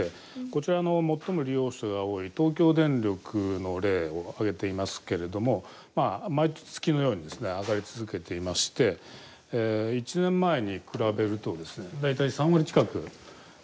こちらの最も利用数が多い東京電力の例を挙げていますけれども毎月のように上がり続けていまして１年前に比べると大体３割近く上がっているんですね。